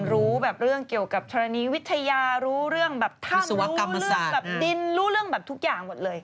รู้เรื่องเกี่ยวกับธรรมดีวิทยารู้เรื่องถ้ำรู้เรื่องดินรู้เรื่องทุกอย่างหมดเลย